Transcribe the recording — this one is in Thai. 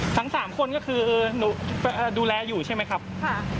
ทั้งสามคนก็คือหนูดูแลอยู่ใช่ไหมครับค่ะ